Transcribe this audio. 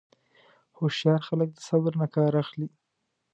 هوښیار خلک د صبر نه کار اخلي.